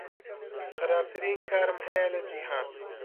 خراپترین کارم هەیە لە جیهان.